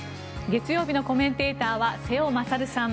月曜日のコメンテーターは瀬尾傑さん